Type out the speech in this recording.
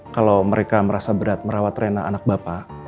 kalau mereka merasa berat merawat rena anak bapak